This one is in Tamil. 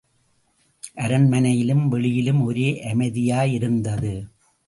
அரண்மனையிலும் வெளியிலும் ஒரே அமைதியாயிருந்தது.